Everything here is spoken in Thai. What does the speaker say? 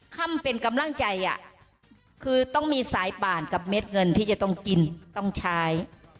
ค่ำเป็นกำลังใจคือต้องมีสายป่านกับเม็ดเงินที่จะต้องกินต้องใช้